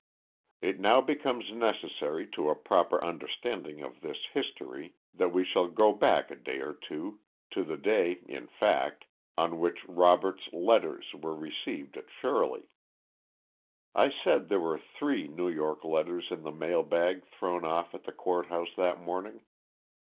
_ It now becomes necessary to a proper understanding of this history that we shall go back a day or two, to the day, in fact, on which Robert's letters were received at Shirley. I said there were three New York letters in the mail bag thrown off at the Court House that morning.